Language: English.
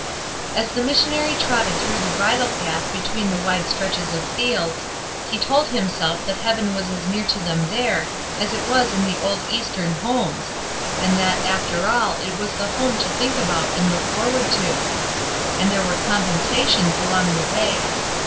As the missionary trotted through the bridle path between the wide stretches of fields, he told himself that heaven was as near to them HOMEWARD BOUND 339 there as it was in the old Eastern homes, and that after all it was the home to think about and look forward to. And there were compen sations along the way.